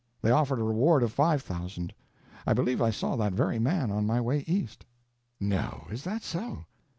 They offered a reward of five thousand. I believe I saw that very man, on my way east." "No—is that so?